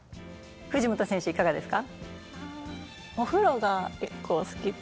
藤本選手いかがですか？